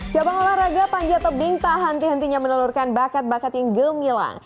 cabang olahraga panjat tebing tak henti hentinya menelurkan bakat bakat yang gemilang